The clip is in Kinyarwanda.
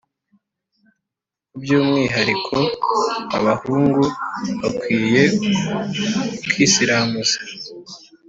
Ku by’umwihariko, abahungu bakwiye kwisiramuza